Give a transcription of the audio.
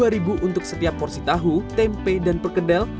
rp dua untuk setiap porsi tahu tempe dan perkedel